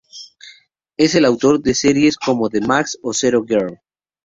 Es el autor de series como The Maxx o Zero Girl.